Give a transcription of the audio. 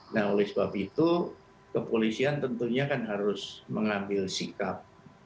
nah oleh sebab itu kepolisian tentunya kan harus mengambil sikap